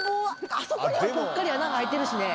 あそこにはポッカリ穴が開いてるしね。